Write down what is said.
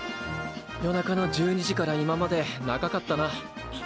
夜中の１２時から今まで長かったな。